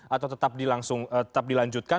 atau tetap dilanjutkan